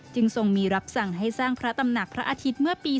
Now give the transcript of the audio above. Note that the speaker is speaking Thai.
ทรงมีรับสั่งให้สร้างพระตำหนักพระอาทิตย์เมื่อปี๒๕